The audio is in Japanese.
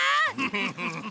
フフフフ。